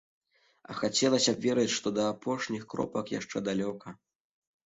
А хацелася б верыць, што да апошніх кропак яшчэ далёка.